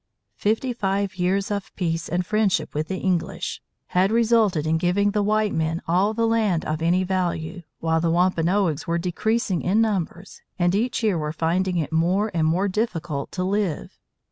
Fifty five years of peace and friendship with the English had resulted in giving the white men all the land of any value, while the Wampanoags were decreasing in numbers and each year were finding it more and more difficult to live.